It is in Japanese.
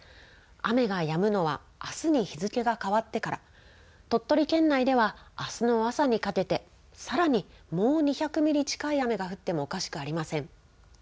雨がやむのはあすに日付がかわってから、鳥取県内ではあすの朝にかけてさらにもう２００ミリ近い雨が降ってもおかしくありません。